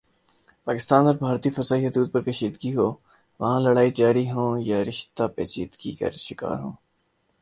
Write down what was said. پاکستان اور بھارتی فضائی حدود پر کشیدگی ہو وہاں لڑائی جاری ہوں یا رشتہ پیچیدگی کا شکار ہوں